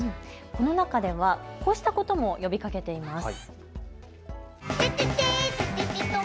この中では、こうしたことも呼びかけています。